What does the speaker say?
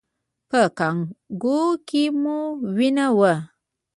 په کانګو کې مو وینه وه؟